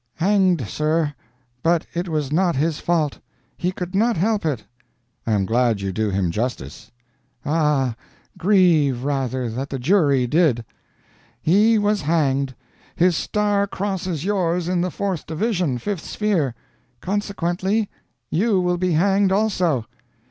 Hanged sir. But it was not his fault. He could not help it." "I am glad you do him justice." "Ah grieve, rather, that the jury did. He was hanged. His star crosses yours in the fourth division, fifth sphere. Consequently you will be hanged also."